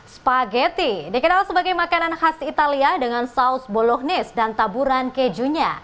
spageti dikenal sebagai makanan khas italia dengan saus bolognis dan taburan kejunya